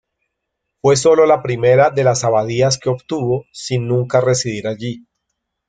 Fue sólo la primera de las abadías que obtuvo, sin nunca residir allí.